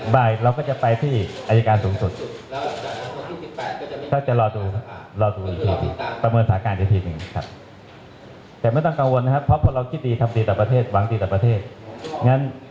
บ่าย๒จะไปสำนักงานอายการสูงสุด